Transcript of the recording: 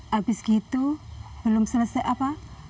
habis gitu belum selesai apa